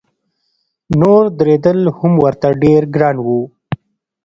نور درېدل هم ورته ډېر ګران و.